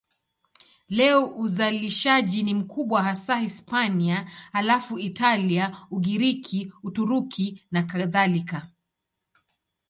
Leo uzalishaji ni mkubwa hasa Hispania, halafu Italia, Ugiriki, Uturuki nakadhalika.